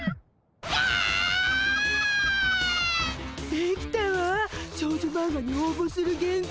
出来たわ少女マンガに応募する原稿。